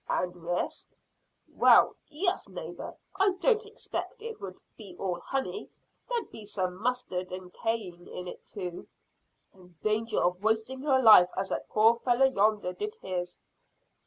"And risk." "Well, yes, neighbour; I don't expect it would be all honey. There'd be some mustard and cayenne in it too." "And danger of wasting your life as that poor fellow yonder did his."